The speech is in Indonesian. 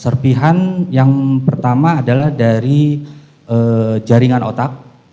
serpihan yang pertama adalah dari jaringan otak